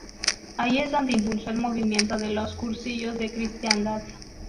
Allí es donde impulsó el movimiento de los Cursillos de Cristiandad.